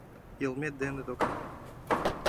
Йылмет дене докан.